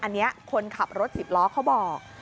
อันนี้คนขับรถสิบล้อเขาบอก